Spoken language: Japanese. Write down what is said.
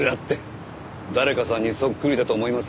誰かさんにそっくりだと思いません？